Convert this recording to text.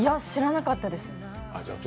いや、知らなかったです。